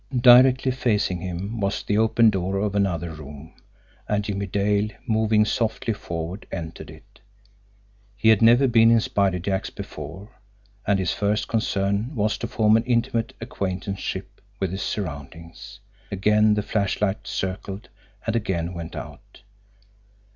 Directly facing him was the open door of another room, and Jimmie Dale, moving softly forward, entered it. He had never been in Spider Jack's before, and his first concern was to form an intimate acquaintanceship with his surroundings. Again the flashlight circled, and again went out.